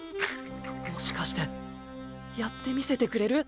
もしかしてやって見せてくれる？